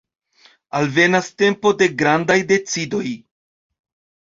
Alvenas tempo de grandaj decidoj.